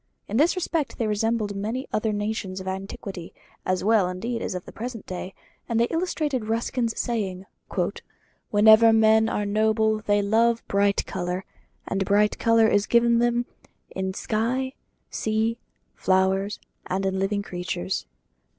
In this respect they resembled many other nations of antiquity as well indeed as of the present day; and they illustrated Ruskin's saying "Whenever men are noble they love bright colour, and bright colour is given to them in sky, sea, flowers, and living creatures."